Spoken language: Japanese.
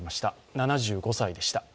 ７５歳でした。